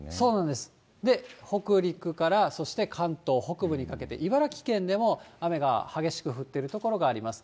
で、北陸から、そして関東北部にかけて、茨城県でも雨が激しく降っている所があります。